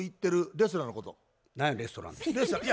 レストランって。